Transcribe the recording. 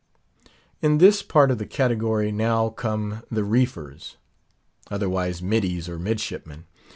In this part of the category now come the "reefers," otherwise "middies" or midshipmen.